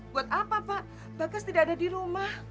buat apa pak bagas tidak ada di rumah